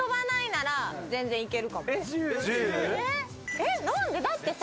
えっ、何で、だってさ。